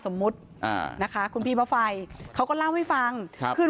สมมุติอ่านะคะคุณพี่พระไฟเขาก็เล่าให้ฟังครับขึ้น